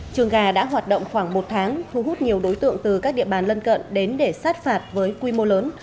trường gà đã hoạt động khoảng một tháng thu hút nhiều đối tượng từ các địa bàn lân cận đến để sát phạt với quy mô lớn